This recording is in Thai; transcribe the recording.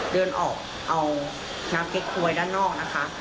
เดินออกเอาน้ำเก๊กหวยด้านนอกนะคะ